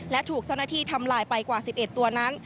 และถูกเจ้าหน้าที่ทำลายไปกว่า๑๑ตัวนั้น